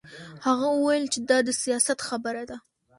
هغه وویل چې دا د سیاست خبره ده